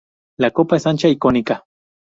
La copa es ancha y cónica.